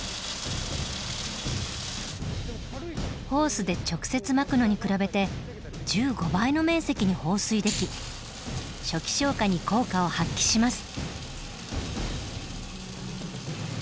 ホースで直接まくのに比べて１５倍の面積に放水でき初期消火に効果を発揮します。